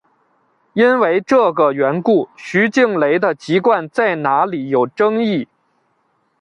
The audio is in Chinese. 因为这个缘故徐静蕾的籍贯在哪里有争议。